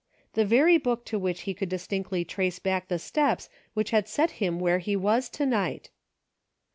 The very book to which he could distinctly trace back the steps which had set him where he was to night